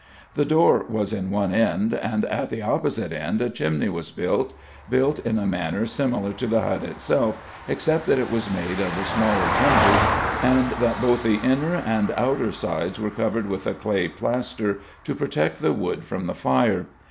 The door was in one end and at the opposite end a chimney was built, built in a manner similar to the hut itself except that it was made of the smaller timbers and that both the inner and outer sides were covered with a clay plaster to protect the wood from the fire.